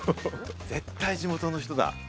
絶対地元の人だ。